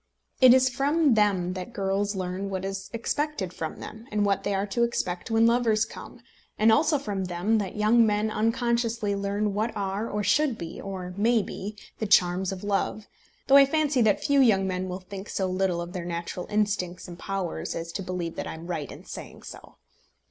It is from them that girls learn what is expected from them, and what they are to expect when lovers come; and also from them that young men unconsciously learn what are, or should be, or may be, the charms of love, though I fancy that few young men will think so little of their natural instincts and powers as to believe that I am right in saying so.